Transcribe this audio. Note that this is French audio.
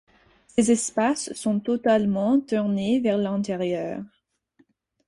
Ces espaces sont totalement tournés vers l'intérieur.